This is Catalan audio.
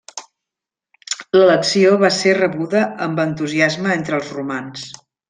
L'elecció va ser rebuda amb entusiasme entre els romans.